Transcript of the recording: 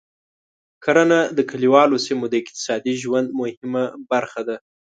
کرنه د کليوالو سیمو د اقتصادي ژوند مهمه برخه ده.